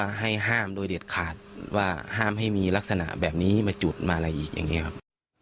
ให้ห้ามโดยเด็ดขาดว่าห้ามให้มีลักษณะแบบนี้มาจุดมาอะไรอีกอย่างนี้ครับ